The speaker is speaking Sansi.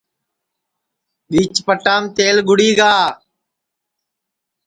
بیچ پٹام تیل کُھٹی گا